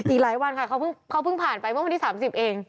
อีกหลายวันค่ะเขาเพิ่งผ่านไปเพราะว่ามันที่สามสิบเอง